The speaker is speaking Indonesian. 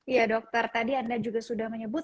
ya dokter tadi anda juga sudah menyebut